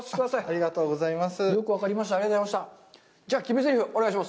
ありがとうございます。